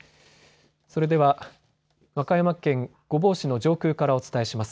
それでは和歌山県御坊市の上空からお伝えします。